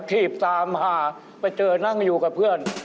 ถีบสามหานั่งอยู่กับเพื่อน